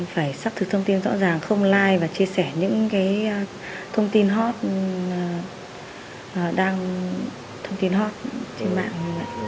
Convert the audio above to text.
phải sắp thực thông tin rõ ràng không like và chia sẻ những thông tin hot trên mạng